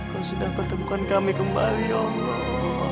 kau sudah pertemukan kami kembali ya allah